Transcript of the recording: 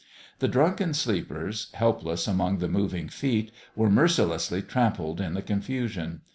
The drunken sleepers, helpless among the moving feet, were mercilessly trampled in the confusion.